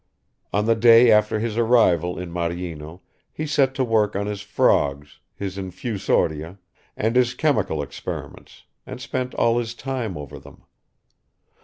On the day after his arrival in Maryino he set to work on his frogs, his infusoria, and his chemical experiments, and spent all his time over them.